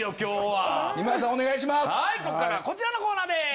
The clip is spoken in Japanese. はいこっからはこちらのコーナーです！